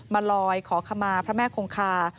มาลอยขอขมาพระแม่คงคา